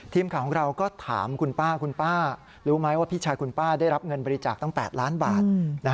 ทีมข่าวของเราก็ถามคุณป้าคุณป้ารู้ไหมว่าพี่ชายคุณป้าได้รับเงินบริจาคตั้ง๘ล้านบาท